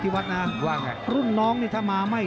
ว่าไง